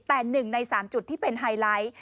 แต่๑ใน๓จุดที่เป็นไฮไลท์